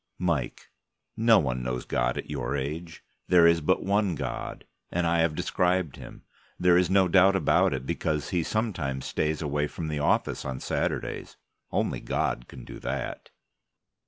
MIKE: No one knows God at your age. There is but one God, and I have described Him. There is no doubt about it, because He sometimes stays away from the office on Saturdays. Only God can do that.